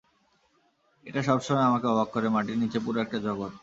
এটা সবসময় আমাকে অবাক করে, মাটির নিচে পুরো একটা জগৎ।